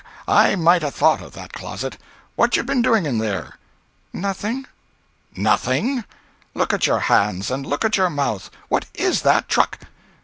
I might 'a' thought of that closet. What you been doing in there?" "Nothing." "Nothing! Look at your hands. And look at your mouth. What is that truck?"